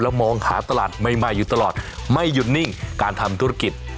มองหาตลาดใหม่อยู่ตลอดไม่หยุดนิ่งการทำธุรกิจ